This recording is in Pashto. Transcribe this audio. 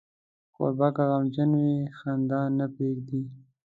کوربه که غمجن وي، خندا نه پرېږدي.